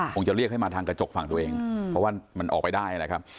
คงจะเรียกให้มาทางกระจกฝั่งตัวเองเพราะว่ามันออกไปได้นะครับ